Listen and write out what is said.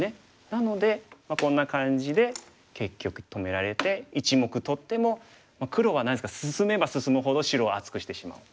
なのでこんな感じで結局止められて１目取っても黒は何ですか進めば進むほど白を厚くしてしまう。